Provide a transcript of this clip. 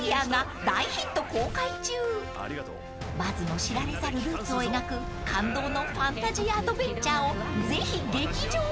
［バズの知られざるルーツを描く感動のファンタジーアドベンチャーをぜひ劇場で］